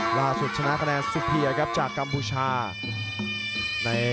ชนะคะแนนสุเพียครับจากกัมพูชา